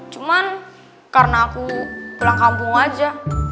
cuman karena aku pulang kampung aja